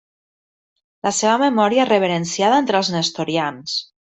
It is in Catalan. La seva memòria és reverenciada entre els nestorians.